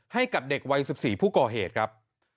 ให้กับเด็กวัย๑๔ผู้ก่อเหตุครับ